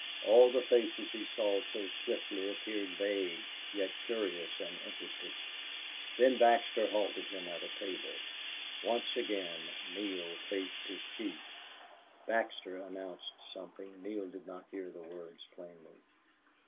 All the faces he saw so swiftly appeared vague, yet curious and interested. Then Baxter halted him at a table. Once again Neale faced his chief. Baxter announced something. Neale did not hear the words plainly.